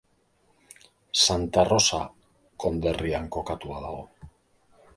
Santa Rosa konderrian kokatua dago.